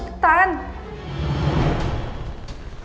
gue gak mau selamatin rina